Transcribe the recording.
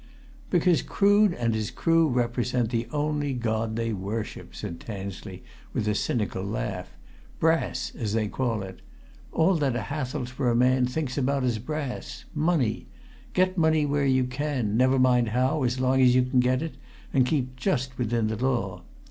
"Because Crood and his crew represent the only god they worship!" said Tansley, with a cynical laugh. "Brass! as they call it. All that a Hathelsborough man thinks about is brass money. Get money where you can never mind how, as long as you get it, and keep just within the law.